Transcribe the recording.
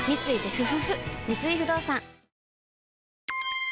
三井不動産